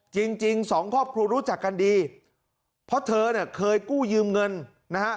จริงจริงสองครอบครัวรู้จักกันดีเพราะเธอเนี่ยเคยกู้ยืมเงินนะฮะ